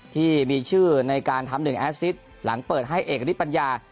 ที่มีชื่อในการทำ๑แอสซิตหลังเปิดให้เอกฤทธปัญญา